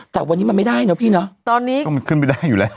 แต่วันนี้มันไม่ได้เนอะพี่เนอะตอนนี้ก็มันขึ้นไปได้อยู่แล้ว